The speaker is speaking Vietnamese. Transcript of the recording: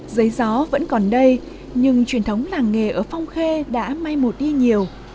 giấy gió vẫn còn đây nhưng truyền thống làng nghề ở phong khê đã may một đi nhiều